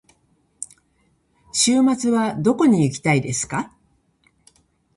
週末はどこに行きたいですか。